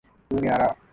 Bulgaria